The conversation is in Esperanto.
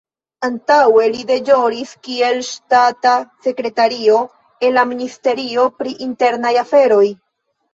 Antaŭe li deĵoris kiel ŝtata sekretario en la Ministerio pri internaj aferoj.